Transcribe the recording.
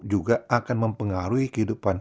juga akan mempengaruhi kehidupan